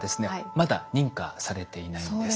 まだ認可されていないんです。